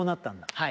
はい。